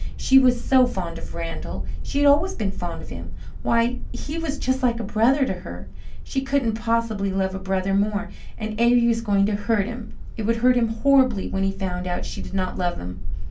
She was so fond of Randall she had always been fond of him why, he was just like a brother to her! She couldn't possibly love a brother more. And Avery was going to hurt him; it would hurt him horribly when he found out she did not love him.